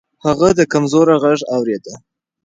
هغه د کمزورو غږ اورېده.